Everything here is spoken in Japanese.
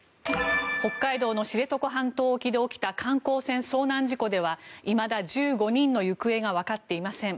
北海道の知床半島沖で起きた観光船遭難事故ではいまだ１５人の行方がわかっていません。